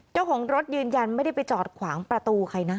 เจ้าของรถยืนยันไม่ได้ไปจอดขวางประตูใครนะ